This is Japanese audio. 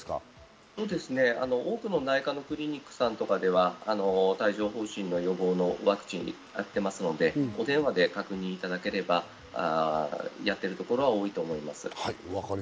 多くの内科のクリニックさんとかでは、帯状疱疹の予防のワクチンをやってますので、お電話で確認いただければ、やってるところは多いと思います。